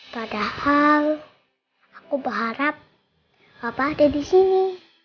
padahal aku berharap apa ada di sini